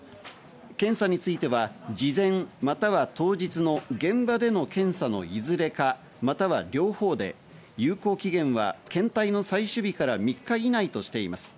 検査については事前、または当日の現場での検査のいずれか、または両方で有効期限は検体の採取日から３日以内としています。